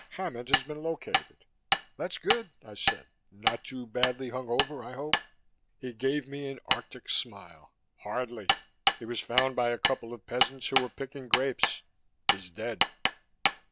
Hammond has been located." "That's good," I said. "Not too badly hung over, I hope." He gave me an arctic smile. "Hardly. He was found by a couple of peasants who were picking grapes. He's dead."